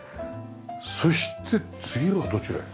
そして次はどちらへ？